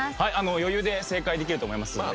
余裕で正解できると思いますので。